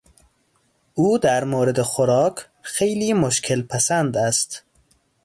او در مورد خوراک خیلی مشکل پسند است.